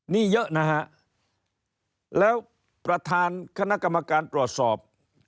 นี่เยอะนะฮะแล้วประธานคณะกรรมการตรวจสอบ